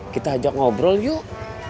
kita ajak ngobrol yuk